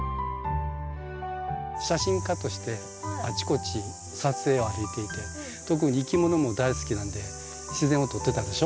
写真家としてあちこち撮影を歩いていて特にいきものも大好きなんで自然を撮ってたでしょ。